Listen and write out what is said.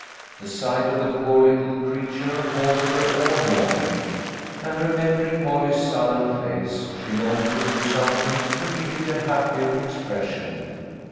The sight of the poor little creature haunted her all morning, and remembering Molly's sullen Il6 THE LITTLE COLONEL'S HOLIDAYS. face, she longed to do something to give it a happier expression.